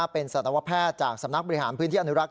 เป็นสัตวแพทย์จากสำนักบริหารพื้นที่อนุรักษ